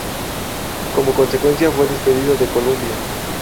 Como consecuencia fue despedido de Columbia.